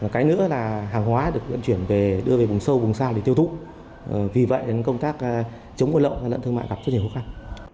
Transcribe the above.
cái nữa là hàng hóa được vận chuyển về đưa về vùng sâu vùng xa để tiêu thụ vì vậy công tác chống buôn lậu gian lận thương mại gặp rất nhiều khó khăn